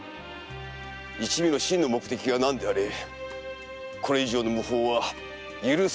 一味の真の目的が何であれこれ以上の無法は許さぬ所存です。